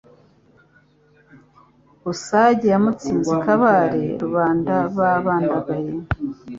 Busage yamutsinze i Kabale, Rubanda rwabandagaye